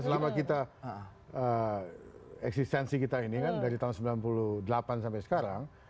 selama kita eksistensi kita ini kan dari tahun sembilan puluh delapan sampai sekarang